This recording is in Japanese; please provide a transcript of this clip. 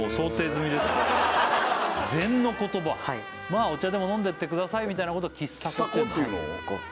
「まあお茶でも飲んでいってください」みたいなことを喫茶去っていうの？